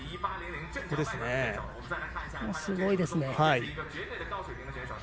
すごいですね。